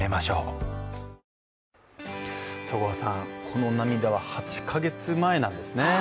この涙は８か月前なんですね。